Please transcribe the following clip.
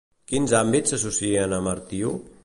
Quins àmbits s'associen amb Artio?